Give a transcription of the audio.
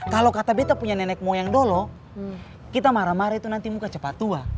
kalau kata beto punya nenek moyang dolo kita marah marah itu nanti muka cepat tua